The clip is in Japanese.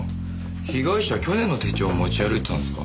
被害者去年の手帳を持ち歩いてたんですか。